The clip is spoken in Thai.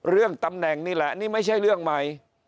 เรื่องตำแหน่งนี่แหละนี่ไม่ใช่เรื่องใหม่